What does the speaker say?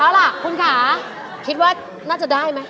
เอาล่ะคุณค่ะคิดว่าน่าจะได้ไหม